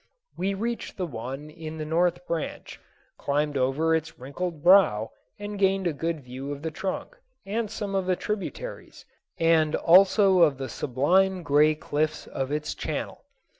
We reached the one in the north branch, climbed over its wrinkled brow, and gained a good view of the trunk and some of the tributaries, and also of the sublime gray cliffs of its channel.